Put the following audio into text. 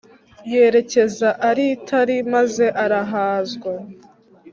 yerekeza aritali maze arahazwa